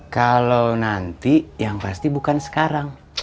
kalau nanti yang pasti bukan sekarang